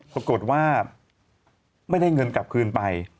ปรากฏว่าไม่ได้เงินกลับคืนไป